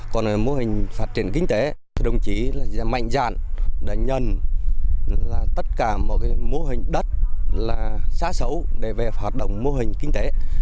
còn mô hình phát triển kinh tế thì đồng chí là dạy mạnh dạn đánh nhân là tất cả mô hình đất là xá xấu để về hoạt động mô hình kinh tế